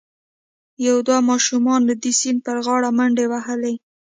یو دوه ماشومانو د سیند پر غاړه منډې وهلي.